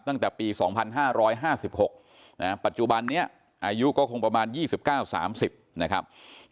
ตั้งแต่ปี๒๕๕๖ปัจจุบันนี้อายุก็คงประมาณ๒๙๓๐นะครับ